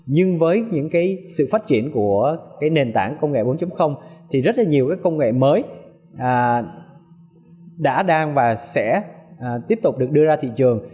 nhưng với những cái sự phát triển của cái nền tảng công nghệ bốn thì rất là nhiều cái công nghệ mới đã đang và sẽ tiếp tục được đưa ra thị trường